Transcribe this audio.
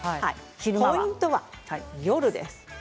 ポイントは夜です。